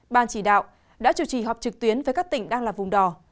ban chỉ đạo đã chủ trì họp trực tuyến với các tỉnh đang là vùng đỏ